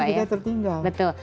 kalau enggak kita tertinggal betul